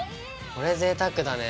これぜいたくだね。